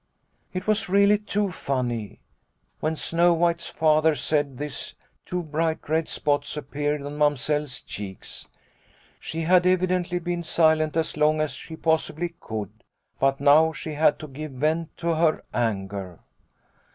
" It was really too funny ! When Snow White's Father said this two bright red spots appeared on Mamsell's cheeks. She had evi dently been silent as long as she possibly could, but now she had to give vent to her anger.